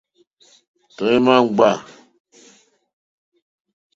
Tɔ̀ímá ŋɡbâ.